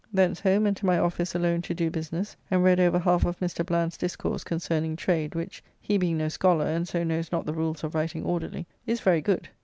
Thence home and to my office alone to do business, and read over half of Mr. Bland's discourse concerning Trade, which (he being no scholler and so knows not the rules of writing orderly) is very good.